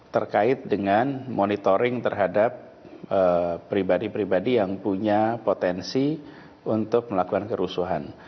terkait dengan monitoring terhadap pribadi pribadi yang punya potensi untuk melakukan kerusuhan